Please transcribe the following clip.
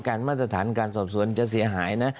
มาตรฐานการสอบสวนจะเสียหายนะ